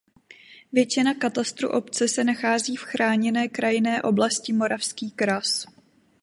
Většina katastru obce se nachází v chráněné krajinné oblasti Moravský kras.